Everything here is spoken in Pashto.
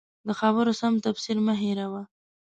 د خبرو سم تفسیر مه هېروه.